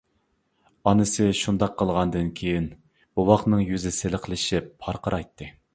ئانىسى شۇنداق قىلغاندىن كېيىن، بوۋاقنىڭ يۈزى سىلىقلىشىپ پارقىرايتتى.